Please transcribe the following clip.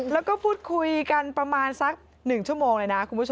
แล้วก็พูดคุยกันประมาณสัก๑ชั่วโมงเลยนะคุณผู้ชม